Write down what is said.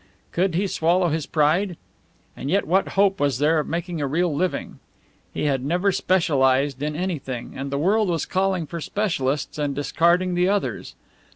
Could he swallow his pride? And yet what hope was there of making a real living? He had never specialized in anything, and the world was calling for specialists and discarding the others.